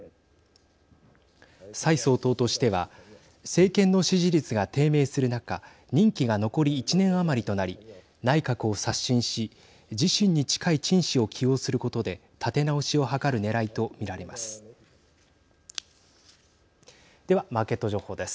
蔡総統としては政権の支持率が低迷する中任期が残り１年余りとなり内閣を刷新し自身に近い陳氏を起用することで立て直しを図るねらいと見られます。